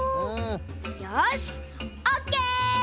よしオッケー！